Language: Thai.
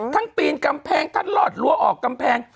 ทั้งปีนกำแพงท่านรอดลัวออกกำแพง